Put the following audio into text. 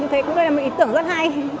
như thế cũng là một ý tưởng rất hay